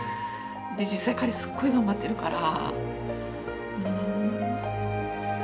実際彼すごい頑張ってるから。